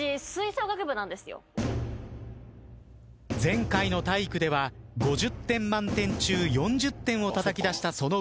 前回の体育では５０点満点中４０点をたたき出したその運動神経。